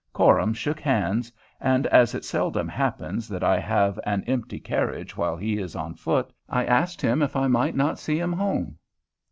Coram shook hands; and, as it seldom happens that I have an empty carriage while he is on foot, I asked him if I might not see him home.